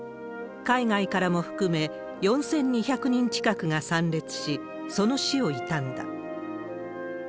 海外からも含め４２００人近くが参列し、その死を悼んだ。